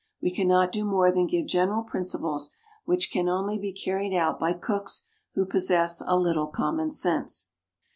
We cannot do more than give general principles which can only be carried out by cooks who possess a little common sense.